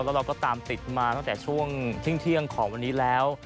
แล้วเราก็ตามติดมาตั้งแต่ช่วงเที่ยงของวันนี้แล้ว